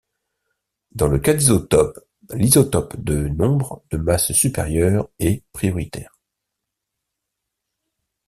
Dans le cas d'isotopes, l'isotope de nombre de masse supérieur est prioritaire.